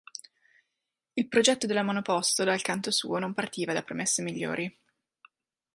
Il progetto della monoposto dal canto suo non partiva da premesse migliori.